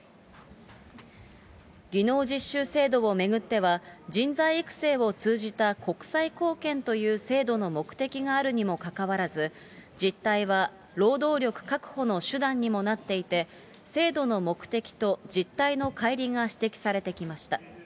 技能実習制度を巡っては、人材育成を通じた国際貢献という制度の目的があるにも関わらず、実態は労働力確保の手段にもなっていて、制度の目的と実態のかい離が指摘されてきました。